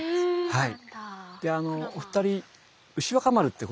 はい。